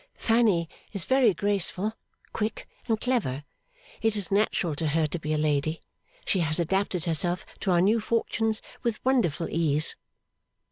Fanny is very graceful, quick, and clever. It is natural to her to be a lady; she has adapted herself to our new fortunes with wonderful ease.